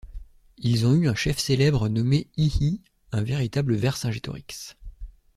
Ils ont eu un chef célèbre nommé Hihi, un véritable Vercingétorix.